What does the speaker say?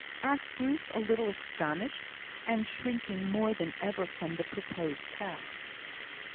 asked Ruth, a little astonished, and shrinking more than ever from the proposed task.